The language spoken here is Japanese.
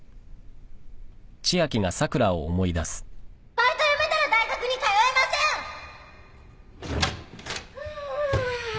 バイトやめたら大学に通えまはあー。